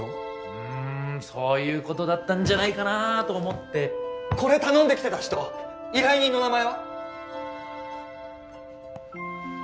うーんそういうことだったんじゃないかなーと思ってこれ頼んできてた人依頼人の名前は？